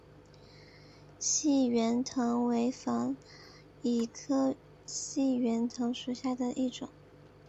细圆藤为防己科细圆藤属下的一个种。